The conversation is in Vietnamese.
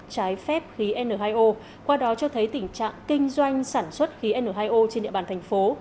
trái phép khí n hai o qua đó cho thấy tình trạng kinh doanh sản xuất khí n hai o trên địa bàn thành phố